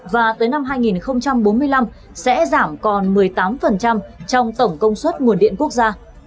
và tới năm hai nghìn bốn mươi năm sẽ giảm còn một mươi tám trong tổng công suất nguồn điện quốc gia